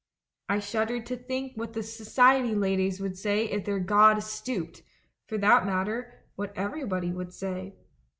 I shuddered to think what the So ciety ladies would say if their god stooped — for that matter, what everybody would say.